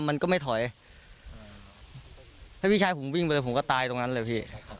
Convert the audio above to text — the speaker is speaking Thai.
มันก็ไม่ถอยถ้าพี่ชายผมวิ่งไปเลยผมก็ตายตรงนั้นเลยพี่